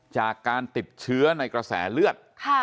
จากการติดเชื้อในกระแสเลือด